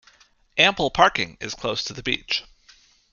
Ample parking is close to the beach.